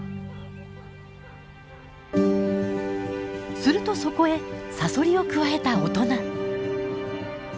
するとそこへサソリをくわえた大人。